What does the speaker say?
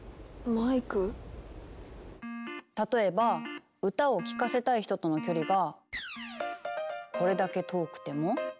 例えば歌を聞かせたい人との距離がこれだけ遠くても。